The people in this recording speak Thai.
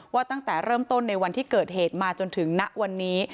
ว่าตั้งแต่เริ่มต้นในวันที่เกิดเหตุมาจนถึงณวันนี้